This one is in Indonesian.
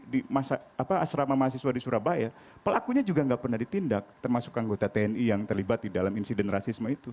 di asrama mahasiswa di surabaya pelakunya juga nggak pernah ditindak termasuk anggota tni yang terlibat di dalam insiden rasisme itu